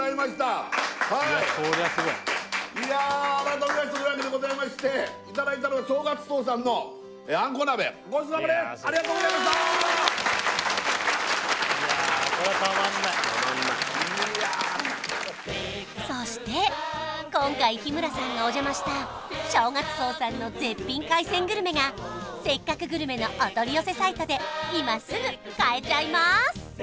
はいいや改めましてそういうわけでございましていただいたのは正月荘さんのあんこう鍋ありがとうございましたそして今回日村さんがおじゃました正月荘さんの絶品海鮮グルメが「せっかくグルメ！！」のお取り寄せサイトで今すぐ買えちゃいます